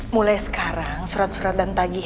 mulai sekarang surat surat dan tagihan